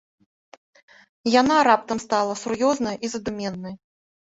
Яна раптам стала сур'ёзнай і задуменнай.